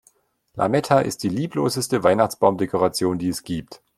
Lametta ist die liebloseste Weihnachtsbaumdekoration, die es gibt.